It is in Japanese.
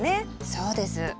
そうです。